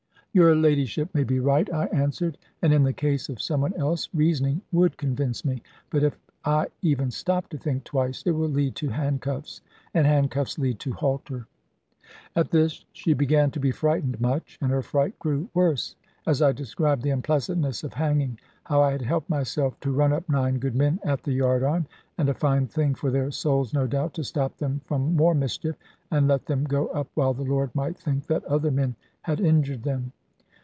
"Your ladyship may be right," I answered; "and in the case of some one else, reasoning would convince me. But if I even stop to think twice, it will lead to handcuffs; and handcuffs lead to halter." At this she began to be frightened much, and her fright grew worse, as I described the unpleasantness of hanging; how I had helped myself to run up nine good men at the yard arm. And a fine thing for their souls, no doubt, to stop them from more mischief, and let them go up while the Lord might think that other men had injured them.